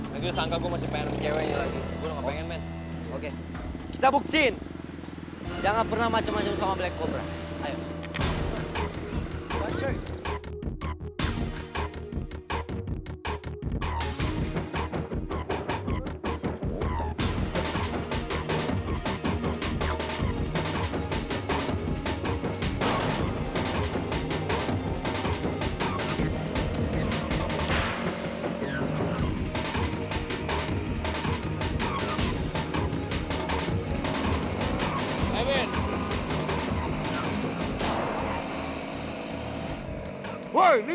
nanti sangka gue masih pengen ceweknya lagi